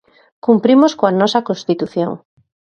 Cumprimos coa nosa Constitución.